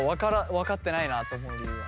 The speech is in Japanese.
分かってないなと思う理由は？